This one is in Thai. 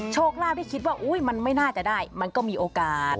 โชคลาภที่คิดว่าอุ๊ยมันไม่น่าจะได้มันก็มีโอกาส